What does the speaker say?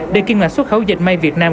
để kiên mạch xuất khẩu dệt may việt nam